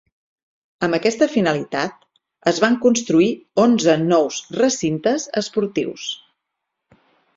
Amb aquesta finalitat, es van construir onze nous recintes esportius.